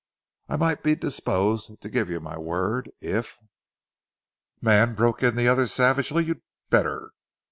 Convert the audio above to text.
"I might be disposed to give my word, if " "Man," broke in the other savagely, "you had better.